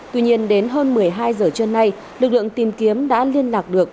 tuy nhiên đến hơn một mươi hai giờ trưa nay lực lượng tìm kiếm đã liên lạc được